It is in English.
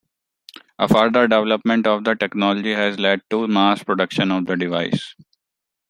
A further development of the technology has led to mass production of the device.